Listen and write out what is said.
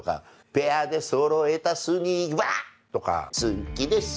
ペアでそろえたスニーワッ！とか好きです